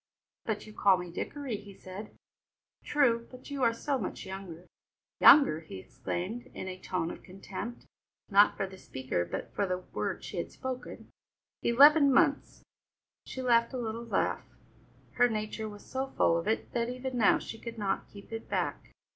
"But you call me Dickory," he said. "True, but you are so much younger." "Younger!" he exclaimed in a tone of contempt, not for the speaker but for the word she had spoken. "Eleven months!" She laughed a little laugh; her nature was so full of it that even now she could not keep it back.